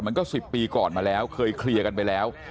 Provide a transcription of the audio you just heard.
มันก็๑๐ปีก่อนมาแล้วเคยเคลียร์กันไปแล้ว